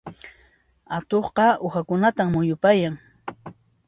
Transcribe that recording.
Atuqqa uhakunatan muyupayan.